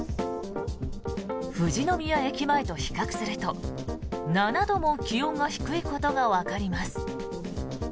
富士宮駅前と比較すると７度も気温が低いことがわかります。